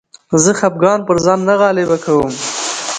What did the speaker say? زه خپګان پر ځان نه غالبه کوم.